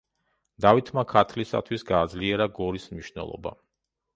დავითმა ქართლისათვის გააძლიერა გორის მნიშვნელობა.